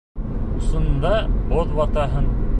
Усыңда боҙ ватаһың.